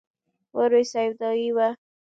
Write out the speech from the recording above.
مور مې سودايي وه.